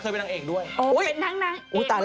เป็นก็เคยเป็นนางเอกด้วย